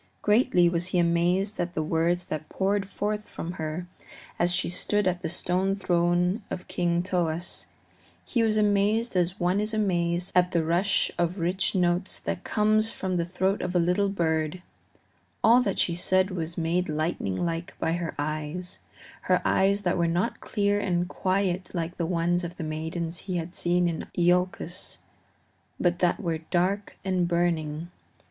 Greatly was he amazed at the words that poured forth from her as she stood at the stone throne of King Thoas he was amazed as one is amazed at the rush of rich notes that comes from the throat of a little bird; all that she said was made lightning like by her eyes her eyes that were not clear and quiet like the eyes of the maidens he had seen in Iolcus, but that were dark and burning.